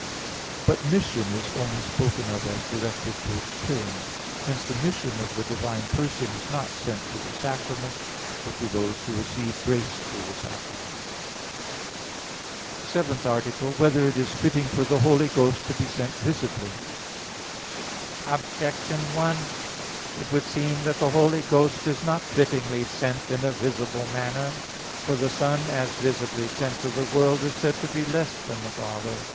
But mission is only spoken of as directed to its term. Hence the mission of the divine person is not sent to the sacraments, but to those who receive grace through the sacraments. _______________________ SEVENTH ARTICLE [I, Q. 43, Art. 7] Whether It Is Fitting for the Holy Ghost to Be Sent Visibly? Objection 1: It would seem that the Holy Ghost is not fittingly sent in a visible manner. For the Son as visibly sent to the world is said to be less than the Father.